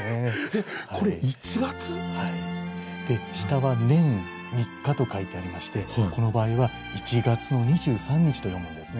えっこれ一月？で下は「年三日」と書いてありましてこの場合は一月の二十三日と読むんですね。